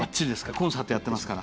コンサートをやってますから。